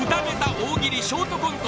大喜利ショートコント